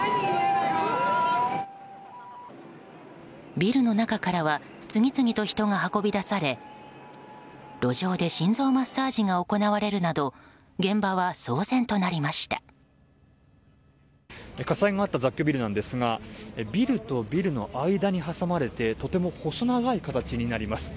ビルの中からは次々と人が運び出され路上で心臓マッサージが行われるなど火災があった雑居ビルなんですがビルとビルの間に挟まれてとても細長い形になります。